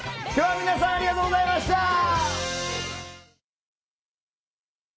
今日は皆さんありがとうございました！